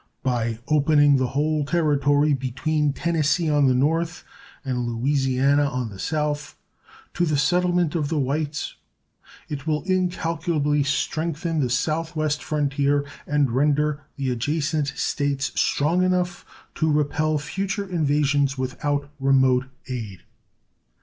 By opening the whole territory between Tennessee on the north and Louisiana on the south to the settlement of the whites it will incalculably strengthen the south west frontier and render the adjacent States strong enough to repel future invasions without remote aid.